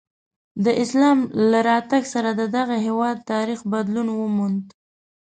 د اسلام له راتګ سره د دغه هېواد تاریخ بدلون وموند.